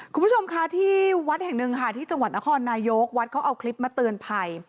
คุณผู้ชมคะที่วัดแห่งหนึ่งค่ะที่จังหวัดนครนายกวัดเขาเอาคลิปมาเตือนภัย